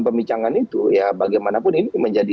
pembicaraan itu ya bagaimanapun ini menjadi